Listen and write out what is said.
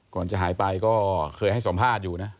ก่อนจะหายไปก็เคยให้สัมภาษณ์อยู่นะ